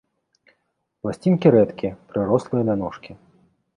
Пласцінкі рэдкія, прырослыя да ножкі.